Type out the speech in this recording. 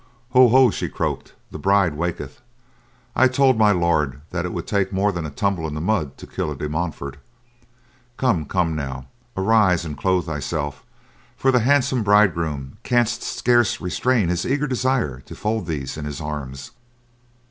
"Ho, ho!" she croaked. "The bride waketh. I told My Lord that it would take more than a tumble in the mud to kill a De Montfort. Come, come, now, arise and clothe thyself, for the handsome bridegroom can scarce restrain his eager desire to fold thee in his arms.